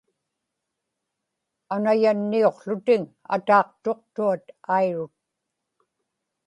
anayanniuqłutiŋ ataaqtuqtuat airut